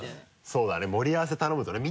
そうだね盛り合わせ頼むとね。